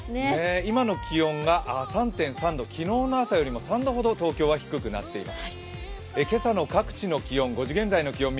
今の気温が３．３度昨日の朝よりも３度ほど東京は低くなっています。